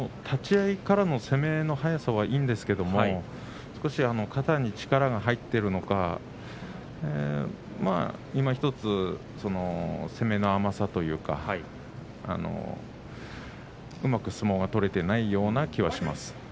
立ち合いからの攻めの速さはいいんですけど少し肩に力が入っているのかいまひとつ攻めの甘さというかうまく相撲が取れてないような気がします。